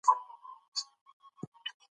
پښتو ژبه به مو تل لارښوونه کوي.